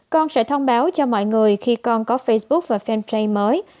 con sẽ thông báo cho mọi người khi con có facebook và fanpage mới